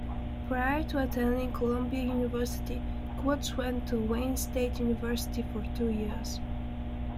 Prior to attending Columbia University, Kluge went to Wayne State University for two years.